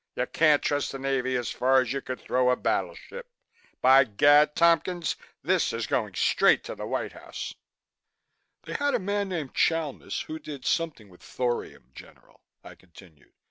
You can't trust the Navy as far as you could throw a battleship. By Gad! Tompkins, this is going straight to the White House." "They had a man named Chalmis who did something with thorium, General," I continued.